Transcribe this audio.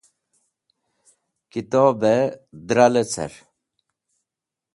Kitobẽ dra lecẽr.